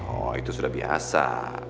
oh itu sudah biasa